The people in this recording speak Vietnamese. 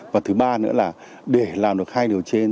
và thứ ba nữa là để làm được hai điều trên